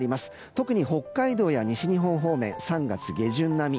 特に北海道や西日本方面３月下旬並み。